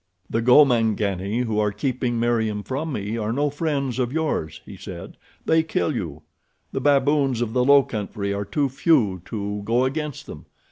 "The Gomangani, who are keeping Meriem from me, are no friends of yours," he said. "They kill you. The baboons of the low country are too few to go against them.